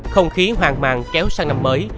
không khí hoàng màng kéo sang năm mới